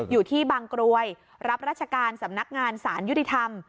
อยู่ที่บางกรวยรับราชการสำนักงานสารยุติธรรม